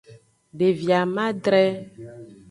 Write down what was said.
Devi amadre.